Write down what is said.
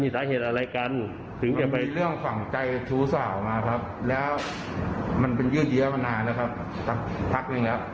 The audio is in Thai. ได้มายิ่งมาวันนี้มาเจอโกหกผมบอกว่าทำโอทีครับ